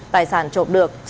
tài sản trộm được